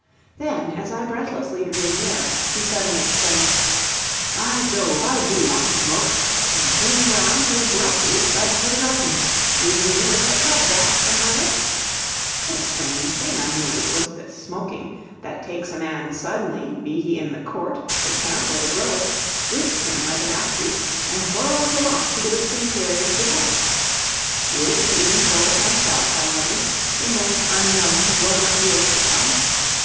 Then, as I breathlessly drew near, he suddenly exclaimed: "By Jove, I do want to smoke!" and wheeling round he abruptly fled for the garden, leaving me with the cup dashed from my lips. What a strange thing, I mused, was this smoking, that takes a man suddenly, be he in the court, the camp, or the grove, grips him like an Afreet, and whirls him off to do its imperious behests! Would it be even so with myself, I wondered, in those unknown grown up years to come?